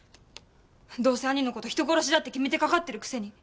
どうせ兄の事人殺しだって決めてかかってるくせに。